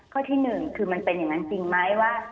ข้อที่๑คือมันเป็นอย่างนั้นจริงไหมว่า